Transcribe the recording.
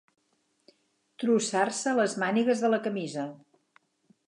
Trossar-se les mànigues de la camisa.